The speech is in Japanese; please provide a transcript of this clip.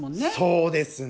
そうですね。